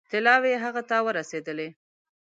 طلاوې هغه ته ورسېدلې.